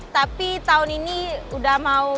tapi tahun ini udah mau